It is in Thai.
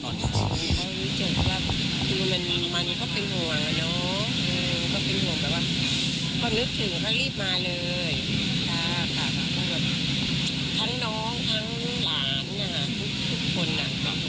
เขารู้สึกว่ามันเป็นห่วงนึกถึงเขารีบมาเลย